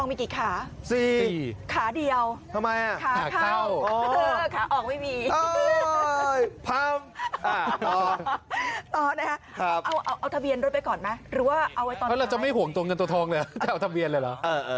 ไม่ไปอยู่ตรงนั้นนั่นยังไงนะฮะ